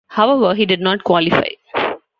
However, he did not qualify.